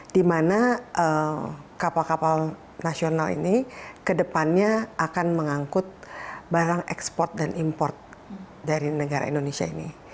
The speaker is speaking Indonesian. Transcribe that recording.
di mana kapal kapal nasional ini kedepannya akan mengangkut barang ekspor dan import dari negara indonesia ini